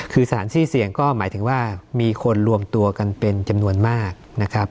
คือสถานที่เสี่ยงก็หมายถึงว่ามีคนรวมตัวกันเป็นจำนวนมากนะครับ